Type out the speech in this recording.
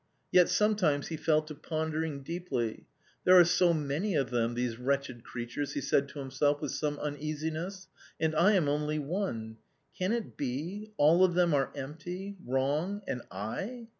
Yet sometimes he fell to pondering deeply. "There are so many of them, these wretched creatures," he said to himself with some uneasiness, " and I am only one ; can it be — all of them are empty — wrong — and I?"